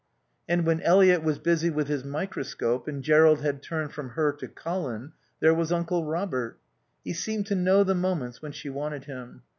And when Eliot was busy with his microscope and Jerrold had turned from her to Colin, there was Uncle Robert. He seemed to know the moments when she wanted him.